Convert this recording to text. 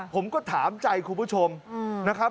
ผมก็ถามใจคุณผู้ชมนะครับ